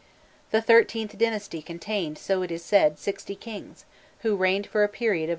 The XIIIth dynasty contained, so it is said, sixty kings, who reigned for a period of over 453 years.